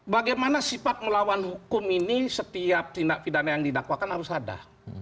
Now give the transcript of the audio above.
bagaimana sifat melawan hukum ini setiap tindak pidana yang didakwakan harus ada